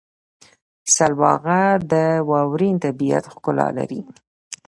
سلواغه د واورین طبیعت ښکلا لري.